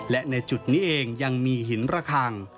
และในจุดนี้เองยังมีหินระคัง